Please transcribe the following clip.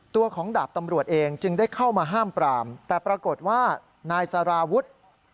ตัวของดาบตำรวจเองจึงได้เข้ามาห้ามปรามแต่ปรากฏว่านายสาราวุฒิ